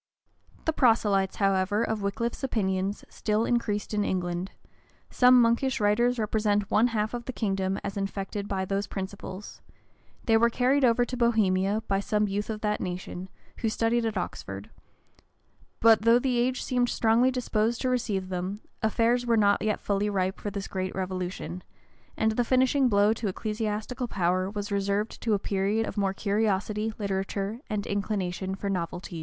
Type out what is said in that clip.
[] The proselytes, however, of Wickliffe's opinions still increased in England:[] some monkish writers represent one half of the kingdom as infected by those principles: they were carried over to Bohemia by some youth of that nation, who studied at Oxford: but though the age seemed strongly disposed to receive them, affairs were not yet fully ripe for this great revolution; and the finishing blow to ecclesiastical power was reserved to a period of more curiosity, literature, and inclination for novelties.